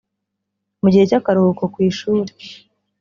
Mu gihe cy’akaruhuko ku ishuli